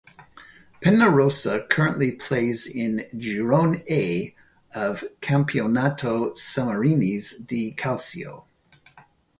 Pennarossa currently plays in "Girone A" of Campionato Sammarinese di Calcio.